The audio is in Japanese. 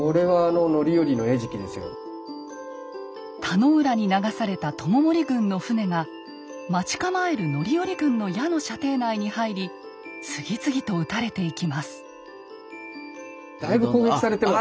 田野浦に流された知盛軍の船が待ち構える範頼軍の矢の射程内に入り次々と討たれていきます。